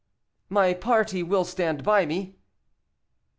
"My party will stand by me."